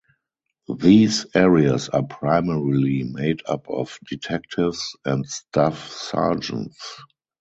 These areas are primarily made up of detectives and staff sergeants.